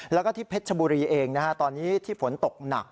แล้วก็ที่เพชรชบุรีเองตอนนี้ที่ฝนตกหนัก